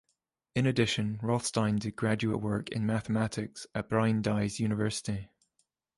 In addition, Rothstein did graduate work in mathematics at Brandeis University.